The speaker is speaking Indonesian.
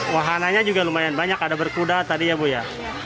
wahananya juga lumayan banyak ada berkuda tadi ya bu ya